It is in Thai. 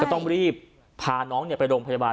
ต้องรีบพาน้องไปโรงพยาบาล